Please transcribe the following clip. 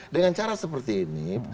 dengan cara seperti ini